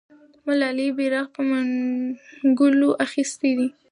ملالۍ بیرغ په منګولو اخیستی دی.